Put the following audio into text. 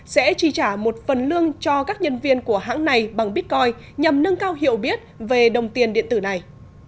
sẽ chi trả một phần lương cho các nhân viên của hãng này bằng bitcoin nhằm nâng cao hiểu biết về đồng tiền điện tử này